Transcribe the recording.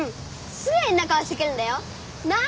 すぐ変な顔してくるんだよ。なあ？